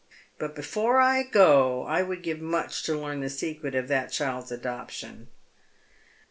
But before I go I would give much to learn the secret of that child's adoption."